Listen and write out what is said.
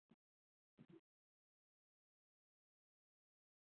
廓尔喀族沙阿王朝的君主完全成为拉纳家族的傀儡。